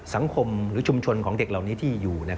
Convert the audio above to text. สังคมหรือชุมชนของเด็กเหล่านี้ที่อยู่